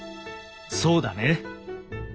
そうだね。